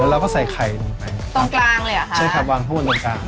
แล้วเราก็ใส่ไข่หนึ่งไปตรงกลางเลยเหรอคะใช่ครับวางทุกคนตรงกลาง